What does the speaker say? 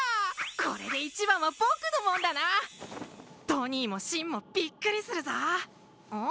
これで一番は僕のもんだなドニーもシンもびっくりするぞうん？